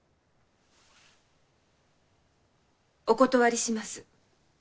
お断りします。